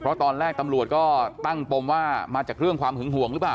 เพราะตอนแรกตำรวจก็ตั้งปมว่ามาจากเรื่องความหึงห่วงหรือเปล่า